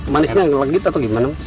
manisnya legit atau gimana